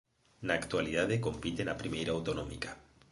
Na actualidade compite na Primeira Autonómica.